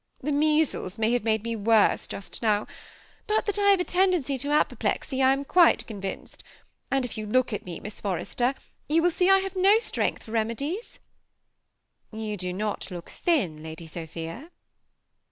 The measles may have made me worse just now ; but that I have a tendency to apoplexy I am quite convinced ; and if you look at me, Miss Forrester, you will see I have no strength for remedies." ^ You do not look thin. Lady Sophia."